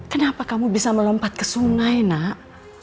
kenapa kamu bisa melompat ke sungai nak